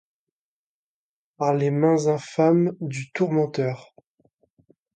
par les mains infâmes du tourmenteur.